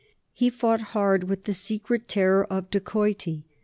He fought hard with the secret terror of dacoity.